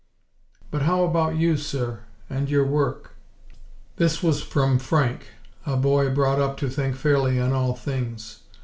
"But how about you, sir, and your work?" This was from Frank; a boy brought up to think fairly on all things.